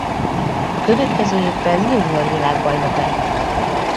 A következő évben junior világbajnok lett.